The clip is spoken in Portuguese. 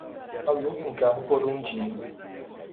Alugue um carro por um dia